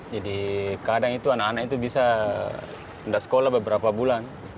jadi kadang itu anak anak itu bisa tidak sekolah beberapa bulan